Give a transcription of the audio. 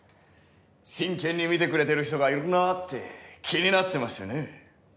真剣に見てくれてる人がいるなあって気になってましてね。